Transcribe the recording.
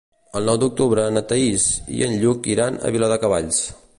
El nou d'octubre na Thaís i en Lluc iran a Viladecavalls.